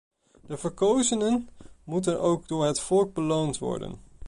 De verkozenen moeten ook door het volk beloond worden.